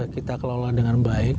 kita kelola dengan baik